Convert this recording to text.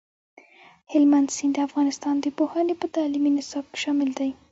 هلمند سیند د افغانستان د پوهنې په تعلیمي نصاب کې شامل دی.